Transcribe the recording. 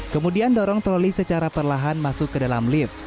kemudian dorong troli secara perlahan masuk ke dalam lift